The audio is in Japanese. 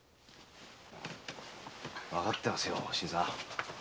わかってますよ新さん。